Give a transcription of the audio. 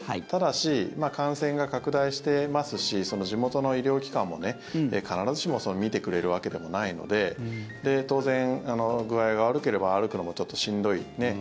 ただし、感染が拡大してますし地元の医療機関も、必ずしも診てくれるわけでもないので当然、具合が悪ければ歩くのも、ちょっとしんどい。